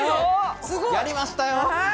やりましたよ。